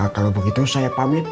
kalau begitu saya pamit